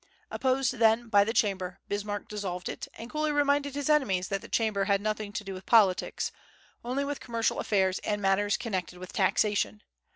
Opposed, then, by the Chamber, Bismarck dissolved it, and coolly reminded his enemies that the Chamber had nothing to do with politics, only with commercial affairs and matters connected with taxation.